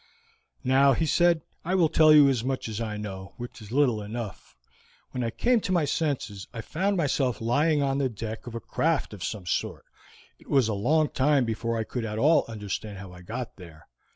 "Now," he said, "I will tell you as much as I know, which is little enough. When I came to my senses I found myself lying on the deck of a craft of some sort; it was a long time before I could at all understand how I got there.